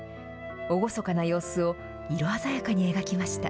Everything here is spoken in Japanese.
厳かな様子を色鮮やかに描きました。